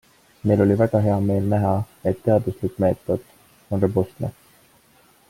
Meil oli väga hea meel näha, et teaduslik meetod on robustne.